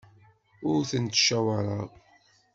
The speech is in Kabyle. Ur tent-ttcawaṛeɣ.